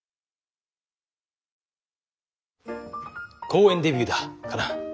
公園デビューだカナ。